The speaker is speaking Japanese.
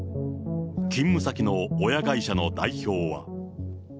勤務先の親会社の代表は。